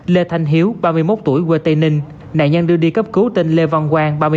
lê thanh hiếu ba mươi một tuổi quê tây ninh nạn nhân đưa đi cấp cứu tên lê văn quang